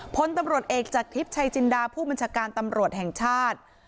พลตำรวจเอกจากทิพย์ชัยจินดาผู้บัญชาการตำรวจแห่งชาติ